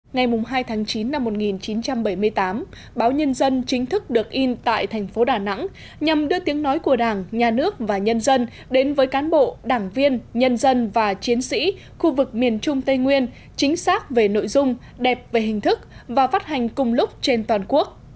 ngày hai tháng chín năm một nghìn chín trăm bảy mươi tám báo nhân dân chính thức được in tại thành phố đà nẵng nhằm đưa tiếng nói của đảng nhà nước và nhân dân đến với cán bộ đảng viên nhân dân và chiến sĩ khu vực miền trung tây nguyên chính xác về nội dung đẹp về hình thức và phát hành cùng lúc trên toàn quốc